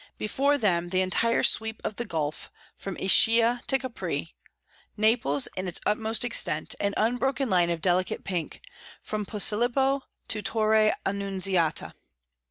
Before them the entire sweep of the gulf, from Ischia to Capri; Naples in its utmost extent, an unbroken line of delicate pink, from Posillipo to Torre Annunziata.